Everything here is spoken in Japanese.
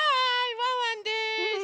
ワンワンです。